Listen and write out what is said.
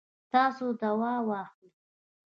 تاسو دوا واخلئ